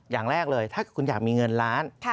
อย่างแรกเลยถ้าคุณอยากมีเงินล้าน